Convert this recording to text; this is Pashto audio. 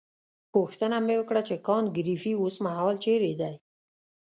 پوښتنه مې وکړه چې کانت ګریفي اوسمهال چیرې دی.